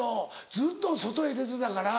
ずっと外へ出てたから。